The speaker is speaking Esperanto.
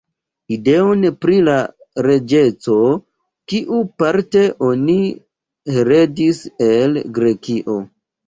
Ideon, pri la reĝeco, kiu, parte, oni heredis el Grekio.